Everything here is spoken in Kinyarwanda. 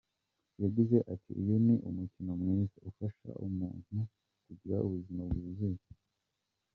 Yagize ati “Uyu ni umukino mwiza, ufasha umuntu kugira ubuzima bwuzuye.